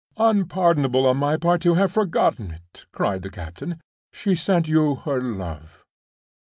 "Unpardonable on my part to have forgotten it!" cried the captain. "She sent you her love."